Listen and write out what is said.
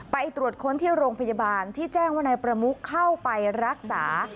ไปตรวจค้นที่โรงพยาบาลที่แจ้งว่านายประมุกเข้าไปรักษา